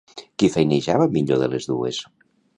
Qui feinejava millor de les dues?